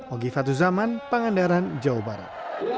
ogifat zaman pangandaran jawa barat